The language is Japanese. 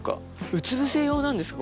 うつ伏せ用なんですか？